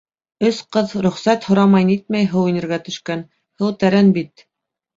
Өс ҡыҙ рөхсәт һорамай-нитмәй һыу инергә төшкән, һыу тәрән бит.